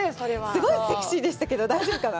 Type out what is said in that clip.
すごいセクシーでしたけど、大丈夫かなぁ？